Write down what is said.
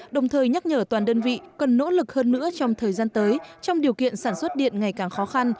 đồng thời nhắc nhở toàn đơn vị cần nỗ lực hơn nữa trong thời gian tới trong điều kiện sản xuất điện ngày càng khó khăn